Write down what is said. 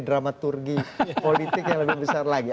dramaturgi politik yang lebih besar lagi